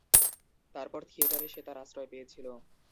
তারপর থিয়েটারে সে তার আশ্রয় পেয়েছিল।